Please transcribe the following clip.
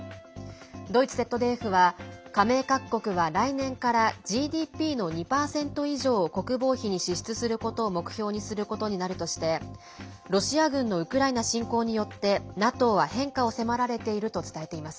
ドイツＺＤＦは、加盟各国は来年からＧＤＰの２％以上を国防費に支出することを目標にすることになるとしてロシア軍のウクライナ侵攻によってＮＡＴＯは変化を迫られていると伝えています。